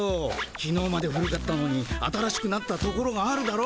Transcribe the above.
きのうまで古かったのに新しくなったところがあるだろ？